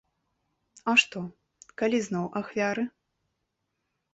А што, калі зноў ахвяры?